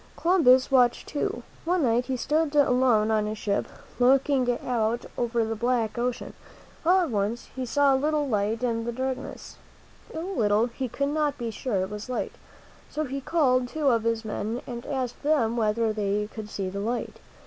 Columbus watched too. One night he stood alone on his ship, looking out over the black ocean. All at once he saw a little light in the darkness. It was so little he could not be sure it was a light. So he called two of his men and asked them whether they could see the light.